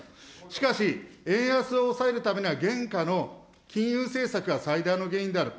しかし、円安を抑えるためには現下の金融政策が最大の原因である。